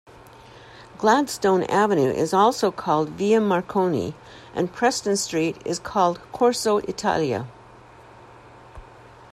Gladstone Avenue is also called "Via Marconi", and Preston Street is called "Corso Italia".